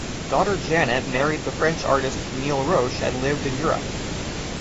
Daughter Janet married the French artist Camille Roche and lived in Europe.